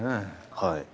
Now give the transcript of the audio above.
はい。